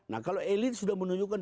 nah kalau elit sudah menunjukkan